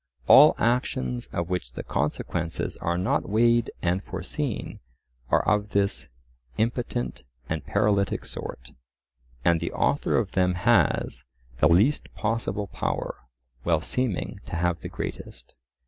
All actions of which the consequences are not weighed and foreseen, are of this impotent and paralytic sort; and the author of them has "the least possible power" while seeming to have the greatest.